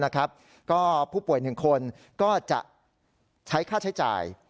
ก็ผู้ป่วย๑คนก็จะใช้ค่าใช้จ่าย